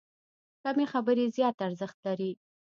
کمې خبرې، زیات ارزښت لري.